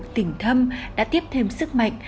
tình thâm đã tiếp thêm sức mạnh